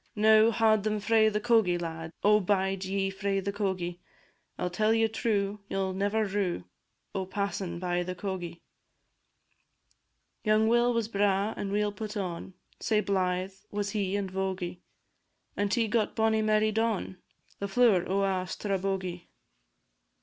Now, haud ye frae the cogie, lads; O bide ye frae the cogie! I 'll tell ye true, ye 'll never rue, O' passin' by the cogie. Young Will was braw and weel put on, Sae blythe was he and vogie; And he got bonnie Mary Don, The flower o' a' Strabogie.